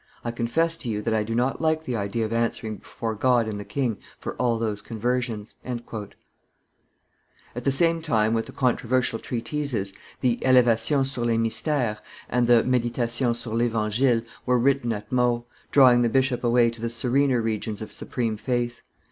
I confess to you that I do not like the idea of answering before God and the king for all those conversions." At the same time with the controversial treatises, the Elevations sur les Mysteres and the Meditations sur l'Evangile were written at Meaux, drawing the bishop away to the serener regions of supreme faith.